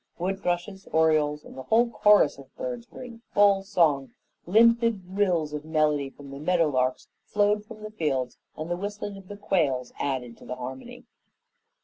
Wood thrushes, orioles, and the whole chorus of birds were in full song: limpid rills of melody from the meadow larks flowed from the fields, and the whistling of the quails added to the harmony.